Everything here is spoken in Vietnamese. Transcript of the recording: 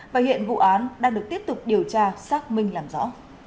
và hiện vụ án đang được tiếp tục điều tra xác minh làm rõ